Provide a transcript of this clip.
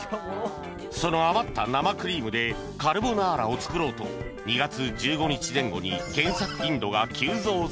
その余った生クリームでカルボナーラを作ろうと２月１５日前後に検索頻度が急増するとの事